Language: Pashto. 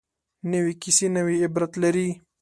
نوې کیسه نوې عبرت لري